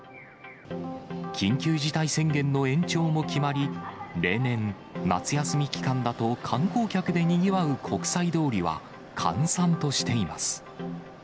緊急事態宣言の延長も決まり、例年、夏休み期間だと観光客でにぎわう国際通りは閑散としています。